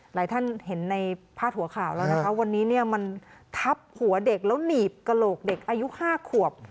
หลายท่านเห็นในพาดหัวข่าวแล้วนะคะวันนี้เนี่ยมันทับหัวเด็กแล้วหนีบกระโหลกเด็กอายุ๕ขวบ